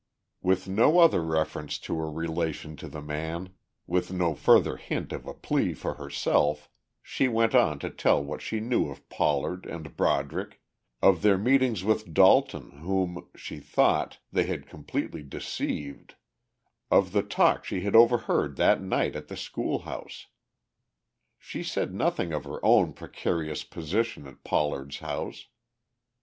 With no other reference to her relation to the man, with no further hint of a plea for herself, she went on to tell what she knew of Pollard and Broderick, of their meetings with Dalton whom, she thought, they had completely deceived, of the talk she had overheard that night at the schoolhouse. She said nothing of her own precarious position at Pollard's house.